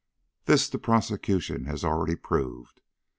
This the prosecution has already proved.